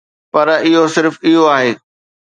پر اهو صرف اهو آهي.